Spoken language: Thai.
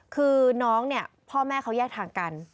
คือน้องเนี่ยพ่อแม่เขาแยกทางกัน